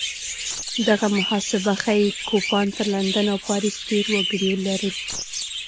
دغه محاسبه ښيي کوپان تر لندن او پاریس ډېر وګړي لرل